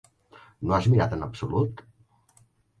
No has mirat en absolut?